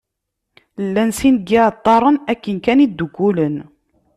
Llan sin n yiεeṭṭaren akken kan i ddukkulen.